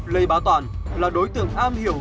lê bá toàn là đối tượng am hiểu